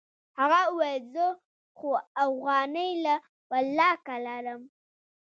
هغه وويل زه خو اوغانۍ لا ولله که لرم.